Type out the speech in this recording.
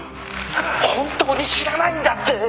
本当に知らないんだって。